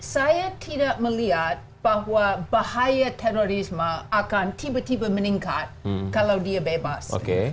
saya tidak melihat bahwa bahaya terorisme akan tiba tiba meningkat kalau dia bebas